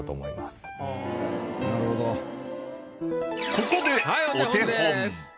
ここでお手本。